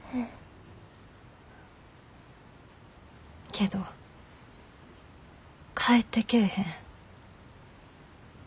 けど帰ってけえへん。